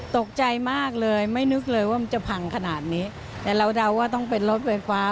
ตกใจมากเลยไม่นึกเลยว่ามันจะพังขนาดนี้แต่เราเดาว่าต้องเป็นรถไฟฟ้า